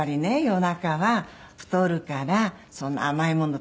夜中は太るからそんな甘いもの。